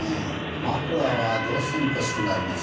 マフラーはどうしても欲しくなります。